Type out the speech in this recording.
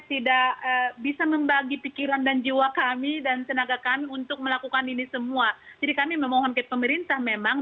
tidak bisa membagi pikiran dan jiwa kami dan tenaga kami untuk melakukan ini semua jadi kami memohon ke pemerintah memang